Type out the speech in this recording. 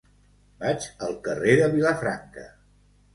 Vaig al carrer de Vilafranca.